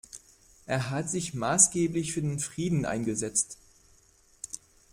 Er hat sich maßgeblich für den Frieden eingesetzt.